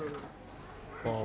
dari belakang situ